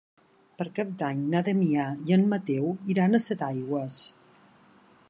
Per Cap d'Any na Damià i en Mateu iran a Setaigües.